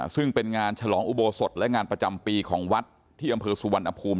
ซึ่งเป็นงานฉลองอุโบสถและงานประจำปีของวัดที่อำเภอสุวรรณภูมิ